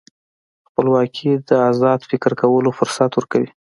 خپلواکي د ازاد فکر کولو فرصت ورکوي.